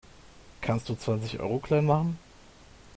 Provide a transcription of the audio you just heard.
Kannst du zwanzig Euro klein machen?